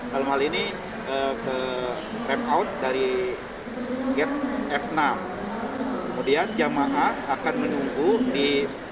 dalam hal ini ke repkout dari gate f enam kemudian jamaah akan menunggu di